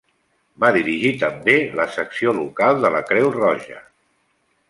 Va dirigir també la secció local de la Creu Roja.